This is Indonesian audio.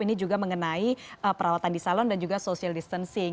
ini juga mengenai perawatan di salon dan juga social distancing